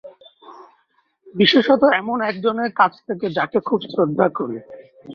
বিশেষত এমন একজনের কাছ থেকে, যাকে খুব শ্রদ্ধা করি।